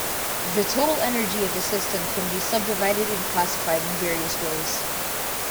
The total energy of a system can be subdivided and classified in various ways.